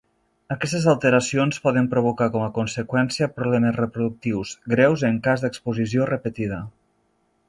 Aquestes alteracions poden provocar com a conseqüència problemes reproductius greus en cas d'exposició repetida.